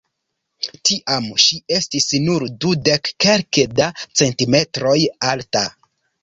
Tiam ŝi estis nur dudek kelke da centimetroj alta.